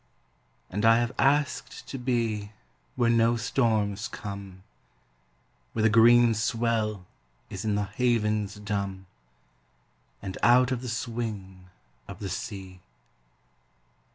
And I have asked to be Where no storms come, Where the green swell is in the havens dumb, And out of the swing of the sea.